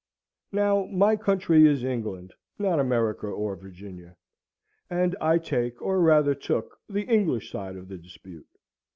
Now my country is England, not America or Virginia; and I take, or rather took, the English side of the dispute.